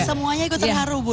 semuanya ikut terharu bu